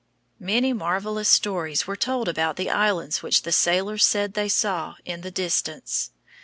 Many marvelous stories were told about the islands which the sailors said they saw in the distance.